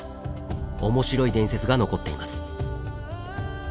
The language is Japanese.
面白い伝説が残っています。